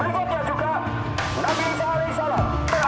berikutnya juga nabi isa alaih salam